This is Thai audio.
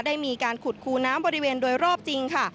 ได้มีการขุดคูน้ำบริเวณโดยรอบจริงค่ะ